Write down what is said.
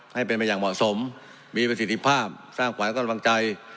ให้เป็นไปอย่างเหมาะสมมีประสิทธิภาพสร้างขวัญกำลังใจ